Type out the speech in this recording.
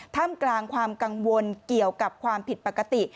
ท่ามกลางความกังวลเกี่ยวกับความผิดปกติ